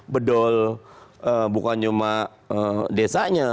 bedol bukan cuma desanya